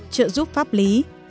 bảy trợ giúp pháp lý